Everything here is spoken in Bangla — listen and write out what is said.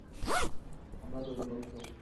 আমরা তো উপলক্ষ।